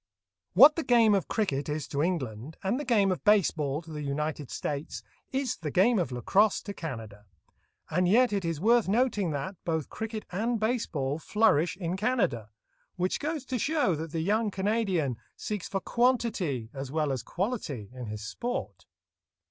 * What the game of cricket is to England, and the game of base ball to the United States, is the game of lacrosse to Canada; and yet it is worth noting that, both cricket and base ball flourish in Canada, which goes to show that the young Canadian seeks for quantity as well as quality in his sport.